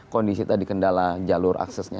kondisi tadi kendala jalur aksesnya